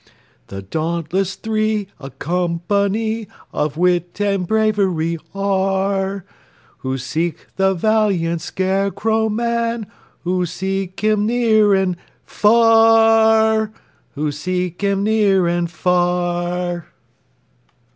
The dauntless three, a company Of wit and bravery are, Who seek the valiant Scarecrow man, Who seek him near and fa har har, Who seek him near and fa har!